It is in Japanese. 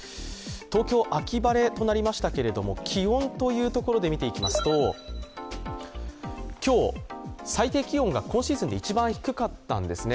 東京、秋晴れとなりましたけど、気温というところで見ていきますと今日、最低気温が今シーズンで一番低かったんですね。